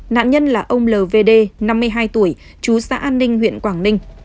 nạn nhân là ông lvd năm mươi hai tuổi chú xã an ninh huyện quảng ninh